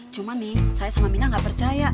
cuma nih saya sama mina gak percaya